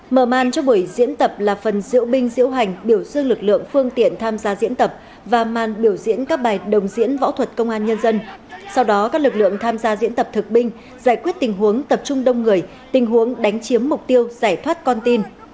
mở màn cho buổi diễn tập là phần diễu binh diễu hành biểu dương lực lượng phương tiện tham gia diễn tập và màn biểu diễn các bài đồng diễn võ thuật công an nhân dân sau đó các lực lượng tham gia diễn tập thực binh giải quyết tình huống tập trung đông người tình huống đánh chiếm mục tiêu giải thoát con tin